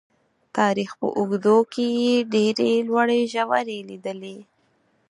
تاریخ په اوږدو کې یې ډېرې لوړې ژورې لیدلي.